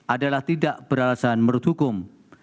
adalah tidak beralasan menurut hukum